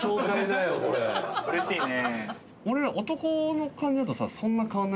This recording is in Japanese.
うれしいね。